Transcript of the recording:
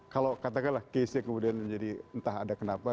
kalau katakanlah case nya kemudian menjadi entah ada kenapa